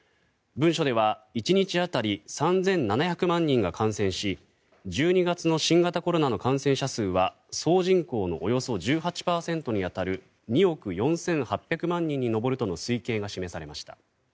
文書では１日当たり３７００万人が感染し１２月の新型コロナの感染者数は総人口のおよそ１８％に当たる２億４８００万人に上るとの推計が示されました。